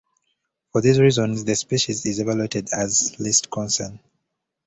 For these reasons the species is evaluated as least concern.